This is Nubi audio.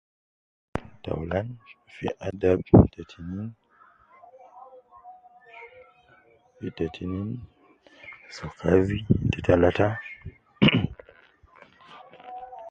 Ta awulan fi adab, ta tinen eee ta tinen so kazi, ta talata.